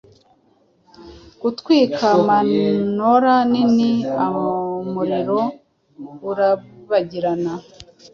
Gutwika manora nini umuriro urabagirana